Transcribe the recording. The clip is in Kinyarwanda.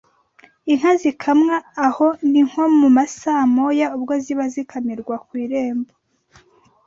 Inka zikamwa aho ni nko mu masaa moya ubwo ziba zikamirwa ku irembo